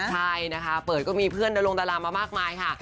ใช่นะคะเปิดก็มีเพื่อนดารงดารามามากมายค่ะ